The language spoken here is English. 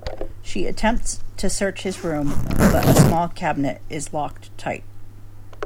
She attempts to search his room, but a small cabinet is locked tight.